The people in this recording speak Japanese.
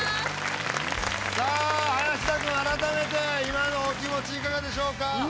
さあ林田君改めて今のお気持ちいかがでしょうか？